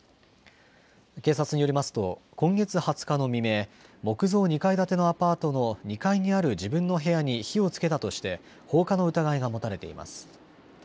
警察によりますと、今月２０日の未明、木造２階建てのアパートの２階にある自分の部屋に火をつけたとして、放火の疑いが持たれています。